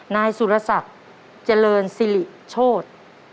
นายสุรศักดิ์เจริญสิริโชธ